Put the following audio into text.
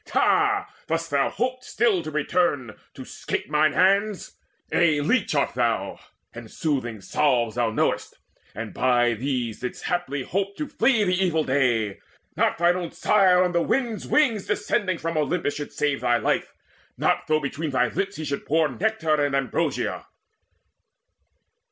Ha, dost thou hope still to return, to 'scape Mine hands? A leech art thou, and soothing salves Thou knowest, and by these didst haply hope To flee the evil day! Not thine own sire, On the wind's wings descending from Olympus, Should save thy life, not though between thy lips He should pour nectar and ambrosia!"